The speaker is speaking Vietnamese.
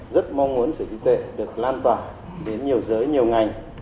rất mong muốn sở hữu trí tuệ được lan tỏa đến nhiều giới nhiều ngành